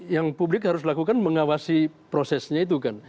yang publik harus lakukan mengawasi prosesnya itu kan